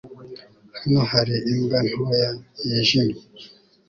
Hano hari imbwa ntoya yijimye